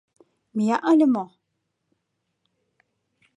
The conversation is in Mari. Мия ыле мо?